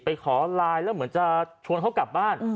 ขอไลน์แล้วเหมือนจะชวนเขากลับบ้าน